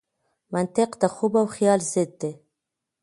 منطق د خوب او خیال ضد دی.